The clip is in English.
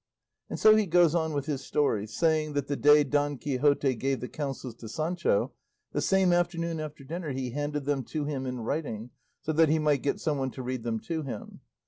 And so he goes on with his story, saying that the day Don Quixote gave the counsels to Sancho, the same afternoon after dinner he handed them to him in writing so that he might get some one to read them to him.